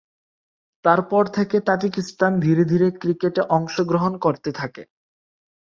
তার পর থেকে তাজিকিস্তান ধীরে ধীরে ক্রিকেটে অংশগ্রহণ করতে থাকে।